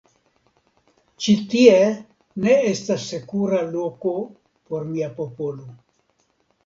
Ĉi tie ne estas sekura loko por mia popolo.